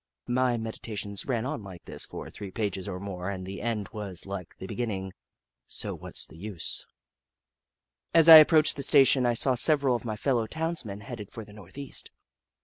My meditations ran on like this for three pages or more, and the end was like the beginning, so what 's the use ? 26 The Book of Clever Beasts As I approached the station, I saw several of my fellow townsmen headed for the north east.